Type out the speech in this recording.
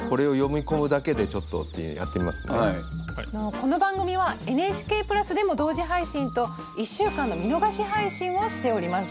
この番組はＮＨＫプラスでも同時配信と１週間の見逃し配信をしております。